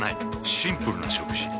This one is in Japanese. シンプルな食事。